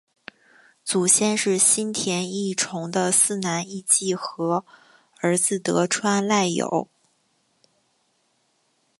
祖先是新田义重的四男义季和儿子得川赖有。